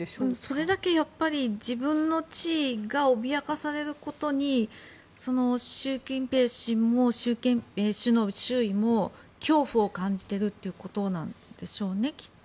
それだけ自分の地位が脅かされることに習近平氏も習近平氏の周囲も恐怖を感じているということなんでしょうね。